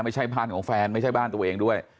ไม่ใช่บ้านของแฟนไม่ใช่บ้านตัวเองด้วย